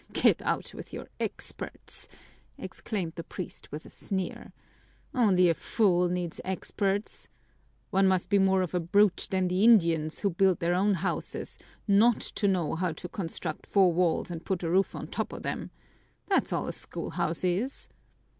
"Get out with your experts!" exclaimed the priest with a sneer. "Only a fool needs experts! One must be more of a brute than the Indians, who build their own houses, not to know how to construct four walls and put a roof on top of them. That's all a schoolhouse is!"